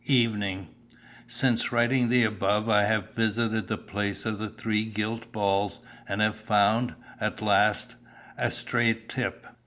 "Evening "Since writing the above I have visited the place of the three gilt balls and have found, at last, 'a straight tip.'